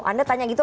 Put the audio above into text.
anda tanya gitu gak